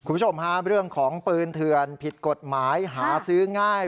คุณผู้ชมฮะเรื่องของปืนเถื่อนผิดกฎหมายหาซื้อง่าย